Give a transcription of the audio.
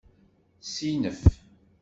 Ssinef!